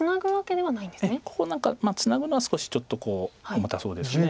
ここ何かツナぐのは少しちょっと重たそうです。